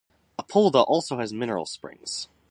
Apolda also has mineral springs.